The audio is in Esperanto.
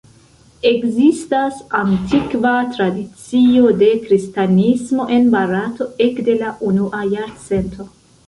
Ekzistas antikva tradicio de kristanismo en Barato ekde la unua jarcento.